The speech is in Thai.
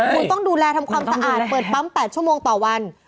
คุณต้องดูแลทำความสะอาดเปิดปั๊ม๘ชั่วโมงต่อวัน